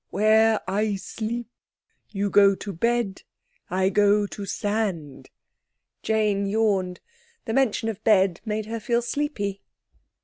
"Where I sleep. You go to bed. I go to sand." Jane yawned; the mention of bed made her feel sleepy.